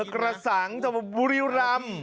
กระสังบริรำ